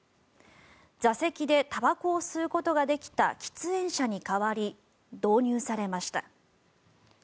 座席でたばこを吸うことができた喫煙車に代わり導入されました。